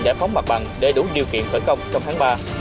giải phóng mặt bằng để đủ điều kiện khởi công trong tháng ba